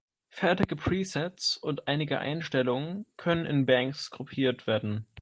Fertige Presets und eigene Einstellungen können in Banks gruppiert werden.